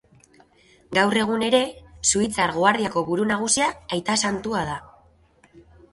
Gaur egun ere, Suitzar Guardiako buru nagusia Aita santua da.